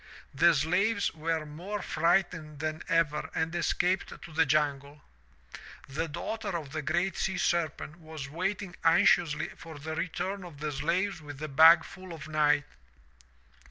The slaves were more frightened than ever and escaped to the jungle. "The daughter of the GREAT SEA SERPENT was waiting anxiously for the return of the slaves with the bag full of night.